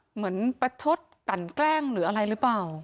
เหมือนประชดกันแกล้งหรืออะไรหรือเปล่า